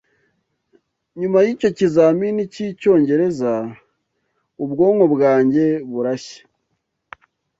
Nyuma yicyo kizamini cyicyongereza, ubwonko bwanjye burashye.